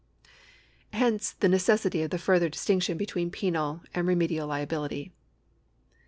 Hence the necessity of the further dis tinction between penal and remedial liability.